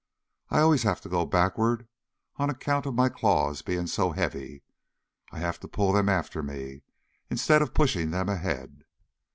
I always have to go backward, on account of my claws being so heavy I have to pull them after me, instead of pushing them ahead.